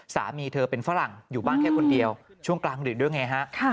สามีเธอเป็นฝรั่งอยู่บ้านแค่คนเดียวช่วงกลางดึกด้วยไงฮะ